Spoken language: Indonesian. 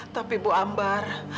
tapi bu ambar